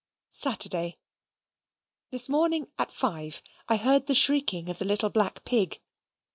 Saturday. This morning, at five, I heard the shrieking of the little black pig.